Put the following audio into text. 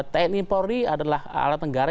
tni paul ri adalah alat negara